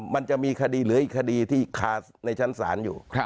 มันจะมีคดีเหลืออีกคดีที่คาในชั้นศาลอยู่